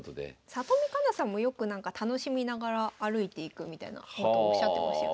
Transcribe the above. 里見香奈さんもよくなんか楽しみながら歩いていくみたいなことをおっしゃってましたよね。